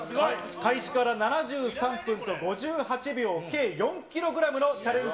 開始から７３分と５８秒、計４キログラムのチャレンジ